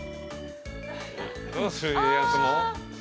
「どうする家康」も？